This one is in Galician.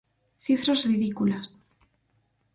¡Cifras ridículas!